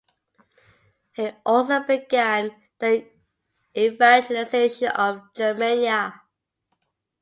He also began the evangelisation of Germania.